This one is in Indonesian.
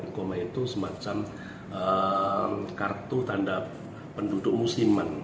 ikoma itu semacam kartu tanda penduduk musliman